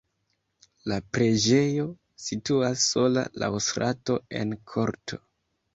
La preĝejo situas sola laŭ strato en korto.